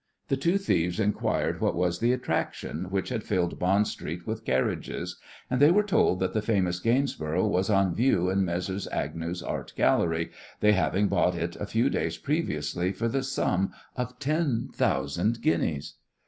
The two thieves inquired what was the attraction which had filled Bond Street with carriages, and they were told that the famous Gainsborough was on view in Messrs. Agnew's art gallery, they having bought it a few days previously for the sum of ten thousand guineas.